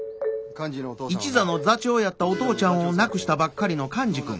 一座の座長やったお父ちゃんを亡くしたばっかりの寛治君。